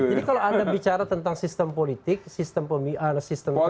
jadi kalau anda bicara tentang sistem politik sistem pengetahuan negaraan